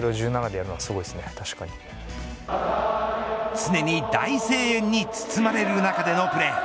常に大声援に包まれる中でのプレー。